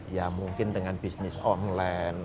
ya mungkin dengan bisnis online